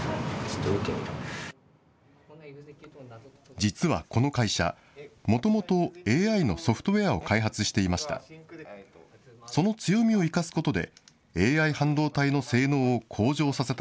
実はこの会社、もともとＡＩのソフトウェアを開発していました。